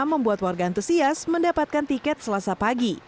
membuat warga antusias mendapatkan tiket selasa pagi